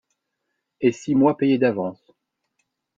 Et six mois payés d’avance.